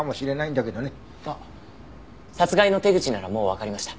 あっ殺害の手口ならもうわかりました。